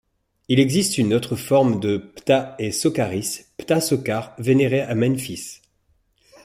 Il existe une autre forme de Ptah et Sokaris, Ptah-Sokar vénéré à Memphis.